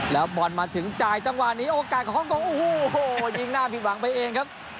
แล้วบอลมาถึงจ่ายจังหวะนี้โอกาสของฮ่องกงโอ้โหยิงหน้าผิดหวังไปเองครับ